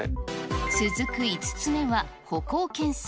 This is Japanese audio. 続く５つ目は、歩行検査。